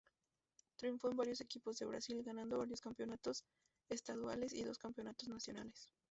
Triunfó en varios equipos de Brasil, ganando varios campeonatos estaduales y dos campeonatos nacionales.